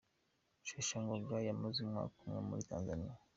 Rusheshangoga yamaze umwaka umwe muri Tanzania